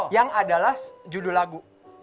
yang adalah judul lagu